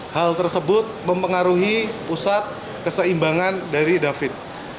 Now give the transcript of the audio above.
hal tersebut mempengaruhi pusat keseimbangan dari david